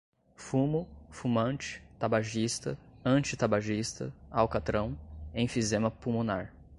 fumo, fumante, tabagista, antitabagista, alcatrão, enfisema pulmonar